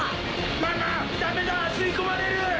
ママダメだ吸い込まれる！